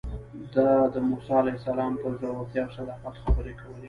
ده د موسی علیه السلام پر زړورتیا او صداقت خبرې کولې.